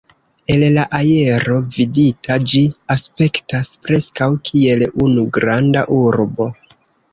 El la aero vidita ĝi aspektas preskaŭ kiel unu granda urbo.